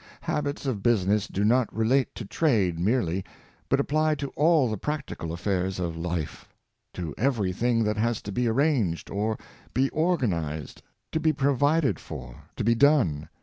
Habits of business do not relate to trade merely, but apply to all the practical affairs of life — to every thing that has to be arranged, or be organized, to be provided for, to be done.